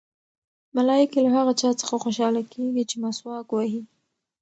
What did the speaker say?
ملایکې له هغه چا څخه خوشحاله کېږي چې مسواک وهي.